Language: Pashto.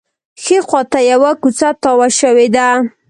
ښي خوا ته یوه کوڅه تاوه شوې ده.